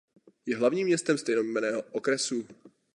Je hlavním městem stejnojmenného okresu.